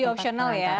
oh jadi opsional ya